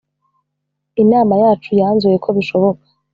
inama yacu yanzuye ko bishoboka